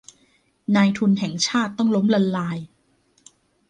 นายทุนแห่งชาติต้องล้มละลาย